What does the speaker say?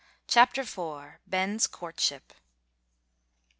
CHAPTER IV. BEN'S COURTSHIP.